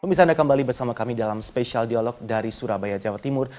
pemirsa anda kembali bersama kami dalam spesial dialog dari surabaya jawa timur